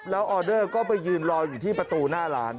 แล้วออเดอร์ก็ไปยืนรออยู่ที่ประตูหน้าร้าน